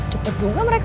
cepet juga mereka ya